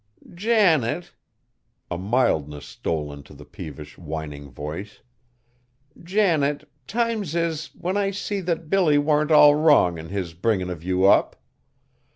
"Janet," a mildness stole into the peevish, whining voice, "Janet, times is, when I see that Billy warn't all wrong in his bringin' of you up.